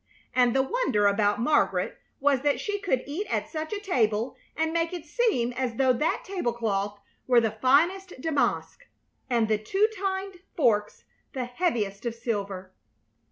And the wonder about Margaret was that she could eat at such a table and make it seem as though that tablecloth were the finest damask, and the two tined forks the heaviest of silver.